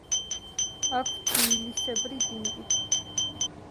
აქვთ მილისებრი დინგი.